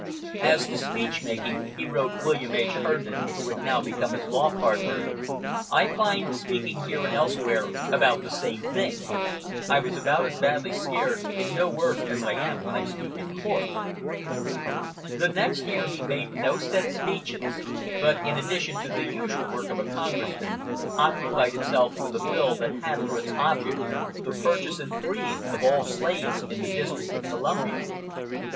"As to speech making," he wrote William H. Herndon, who had now become his law partner, "I find speaking here and elsewhere about the same thing. I was about as badly scared, and no worse, as I am when I speak in court." The next year he made no set speeches, but in addition to the usual work of a congressman occupied himself with a bill that had for its object the purchase and freeing of all slaves in the District of Columbia.